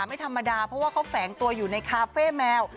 ไม่ธรรมดาเพราะว่าเขาแฝงตัวอยู่ในคาเฟ่แมว